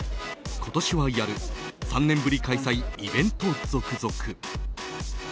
今年はやる３年ぶり開催、イベント続々。